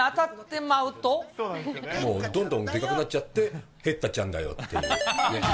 どんどんでかくなっちゃって、へったちゃんだよっていうね。